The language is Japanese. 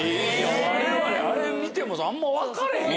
我々あれ見てもあんま分かれへん。